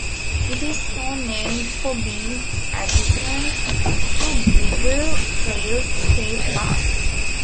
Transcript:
It is so named for being adjacent to Bridle Trails State Park.